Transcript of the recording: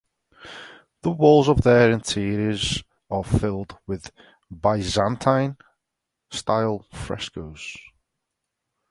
The walls of their interiors are filled with Byzantine style frescos.